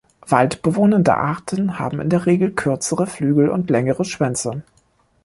Waldbewohnende Arten haben in der Regel kürzere Flügel und längere Schwänze.